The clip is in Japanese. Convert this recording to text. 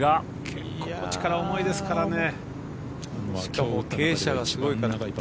結構重いですからね。